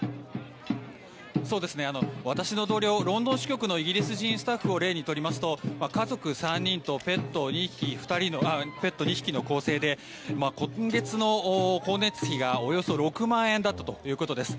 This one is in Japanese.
私の同僚ロンドン支局のイギリス人スタッフを例にとりますと家族３人とペット２匹の構成で今月の光熱費がおよそ６万円だったということです。